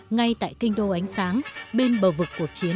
ngay tại kinh đô ánh sáng bên bờ vực cuộc chiến